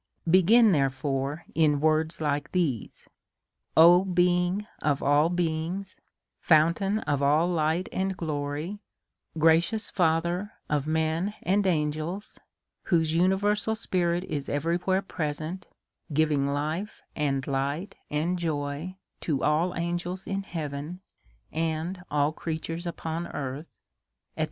Begin, therefore, in words like these :" O Being of all beings, Fpuntain of all light and glory, gracious 174 A SERIOUS CALL TO A Father of men and angels, whose universal Spirit is everywhere present, giving life, and light, and joy to all angels in heaven, and all creatures upon earth," &c.